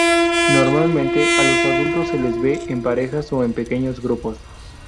Normalmente, a los adultos se les ve en parejas o en pequeños grupos.